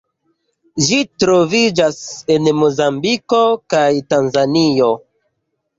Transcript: Ĝi troviĝas en Mozambiko kaj Tanzanio.